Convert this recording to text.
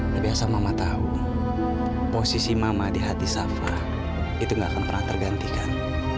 tapi asal mama tahu posisi mama di hati sava itu gak akan pernah tergantikan